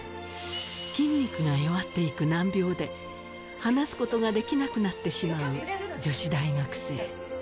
筋肉が弱っていく難病で、話すことができなくなってしまう女子大学生。